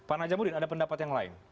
pak najamuddin ada pendapat yang lain